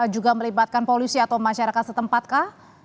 juga melibatkan polisi atau masyarakat setempat kah